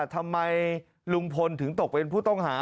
ทำไมลุงพลถึงตกเป็นผู้ต้องหา